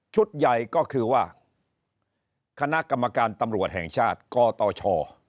ใหญ่ก็คือว่าคณะกรรมการตำรวจแห่งชาติกตช